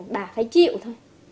bà phải chịu thôi